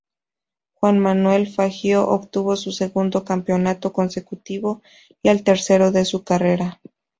Juan Manuel Fangio obtuvo su segundo campeonato consecutivo y el tercero de su carrera.